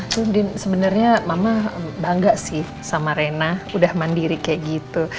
sebenarnya mama bangga sih sama rena udah mandiri kayak gitu